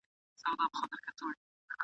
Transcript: دلته سرتورو په ښراکلونه وپېیله !.